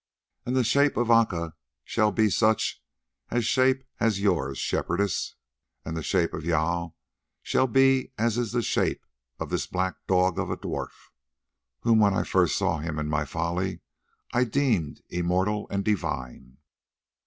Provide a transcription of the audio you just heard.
And the shape of Aca shall be such a shape as yours, Shepherdess, and the shape of Jâl shall be as is the shape of this black dog of a dwarf, whom when first I saw him in my folly I deemed immortal and divine.